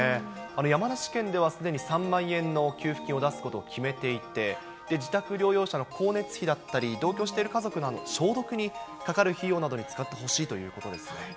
山梨県ではすでに３万円の給付金を出すことを決めていて、自宅療養者の光熱費だったり同居している家族の消毒にかかる費用などに使ってほしいということですね。